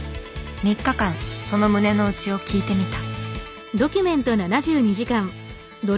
３日間その胸の内を聞いてみた。